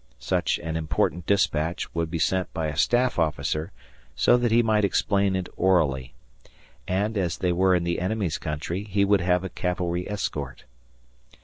Such an important dispatch would be sent by a staff officer so that he might explain it orally, and, as they were in the enemy's country, he would have a cavalry escort.